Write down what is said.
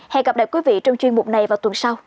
hẹn gặp lại quý vị trong chuyên mục này vào tuần sau